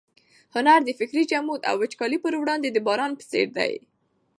هنر د فکري جمود او وچکالۍ پر وړاندې د باران په څېر دی.